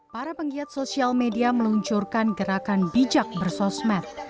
para penggiat sosial media meluncurkan gerakan bijak bersosmed